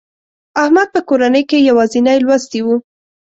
احمد په کورنۍ کې یوازینی لوستي و.